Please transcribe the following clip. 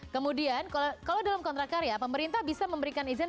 kemudian kalau dalam kontrak karya pemerintah bisa memberikan izin